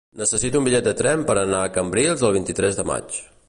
Necessito un bitllet de tren per anar a Cambrils el vint-i-tres de maig.